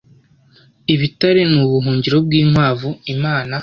Ibitare ni ubuhungiro bw’inkwavu Imana